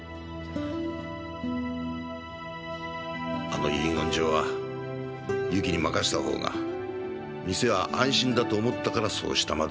あの遺言状は友紀に任せたほうが店は安心だと思ったからそうしたまでのことだ